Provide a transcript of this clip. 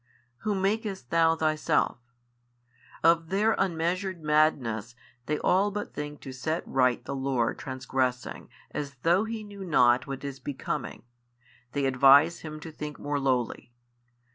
Whom makest Thou Thyself? Of their unmeasured madness they all but think to set right the Lord transgressing and as though He knew not what is becoming, they advise Him to think more lowly.